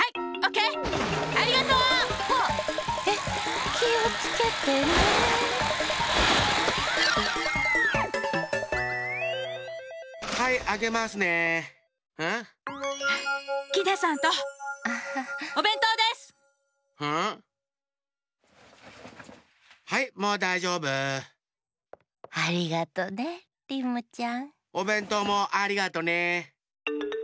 おべんとうもありがとね。